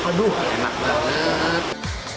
aduh enak banget